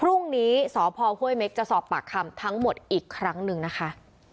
พรุ่งนี้สพห้วยเม็กจะสอบปากคำทั้งหมดอีกครั้งหนึ่งนะคะ